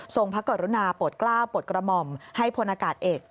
ทรงพระกรุณาปลดกล้าปลดกระหม่อมให้โพรนากาศเอก